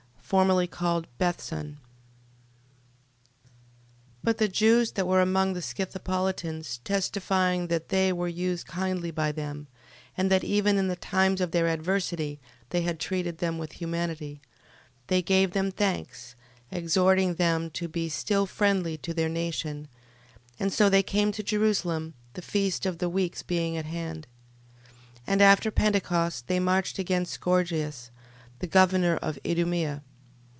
Formerly called Bethsan. 12:30. But the Jews that were among the Scythopolitans testifying that they were used kindly by them, and that even in the times of their adversity they had treated them with humanity: 12:31. They gave them thanks, exhorting them to be still friendly to their nation, and so they came to Jerusalem, the feast of the weeks being at hand. 12:32. And after Pentecost they marched against Gorgias, the governor of Idumea.